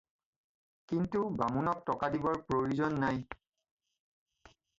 কিন্তু বামুণক টকা দিবৰ প্ৰয়োজন নাই।